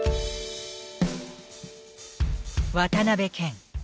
渡辺謙。